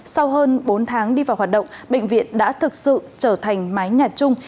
sau hơn bốn tháng đi vào hoạt động bệnh viện đã thực sự trở thành mái nhà chung